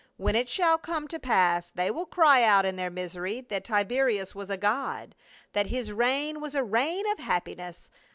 When it shall come to pass they will cry out in their misery that Tiberius was a god, that his reign was a reign of happiness.